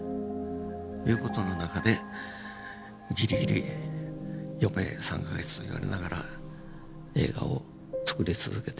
いう事の中でギリギリ余命３か月と言われながら映画をつくり続けていますと。